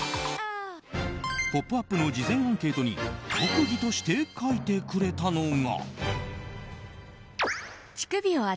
「ポップＵＰ！」の事前アンケートに特技として書いてくれたのが。